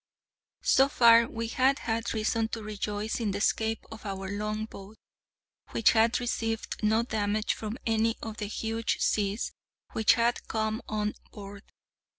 So far we had had reason to rejoice in the escape of our longboat, which had received no damage from any of the huge seas which had come on board.